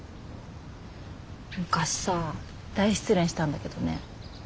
昔さ大失恋したんだけどね